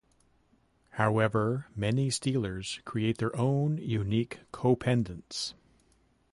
However, many steelers create their own unique copedents.